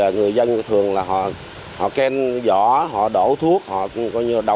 người dân thường là họ khen giỏ họ đổ thuốc họ đọc cây